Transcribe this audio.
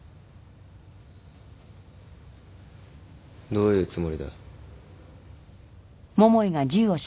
どういうつもりだ？